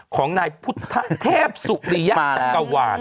ของนายพุทธเทพสุริยะจักรวาล